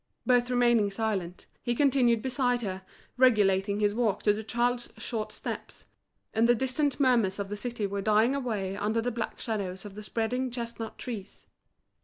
Both remained silent; he continued beside her, regulating his walk to the child's short steps; and the distant murmurs of the city were dying away under the black shadows of the spreading chestnut trees.